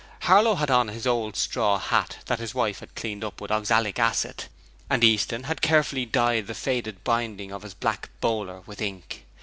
Harlow had on an old straw hat that his wife had cleaned up with oxalic acid, and Easton had carefully dyed the faded binding of his black bowler with ink.